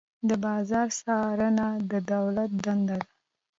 د بازار څارنه د دولت دنده ده.